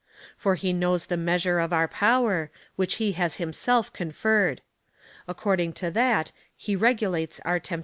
For he knows the measure of our power, which he has himself conferred. According to that, he regulates our nature of man."